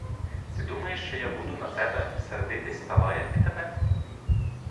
Ти думаєш, що я буду на тебе сердитись та лаяти тебе?